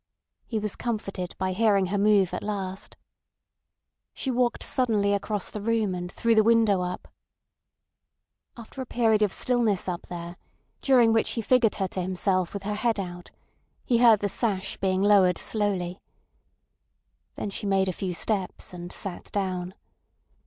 He was comforted by hearing her move at last. She walked suddenly across the room, and threw the window up. After a period of stillness up there, during which he figured her to himself with her head out, he heard the sash being lowered slowly. Then she made a few steps, and sat down.